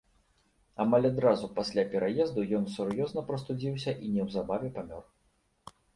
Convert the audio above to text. Амаль адразу пасля пераезду ён сур'ёзна прастудзіўся і неўзабаве памёр.